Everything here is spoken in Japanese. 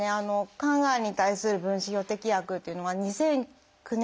肝がんに対する分子標的薬っていうのは２００９年ですね。